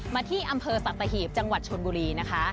ที่อำเภอสัตหีบจังหวัดชนบุรีนะคะ